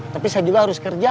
saya juga harus kerja